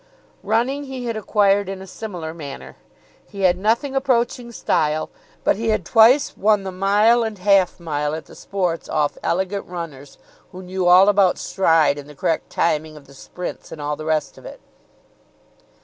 Running he had acquired in a similar manner. He had nothing approaching style, but he had twice won the mile and half mile at the Sports off elegant runners, who knew all about stride and the correct timing of the sprints and all the rest of it.